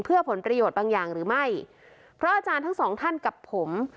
เพื่อผลประโยชน์บางอย่างหรือไม่เพราะอาจารย์ทั้งสองท่านกับผม